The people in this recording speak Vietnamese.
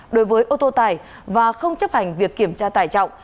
đối với ô tô tài và không chấp hành việc kiểm tra tài trọng